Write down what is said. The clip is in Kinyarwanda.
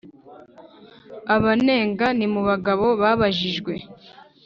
abanenga ni Mu bagabo babajijwe.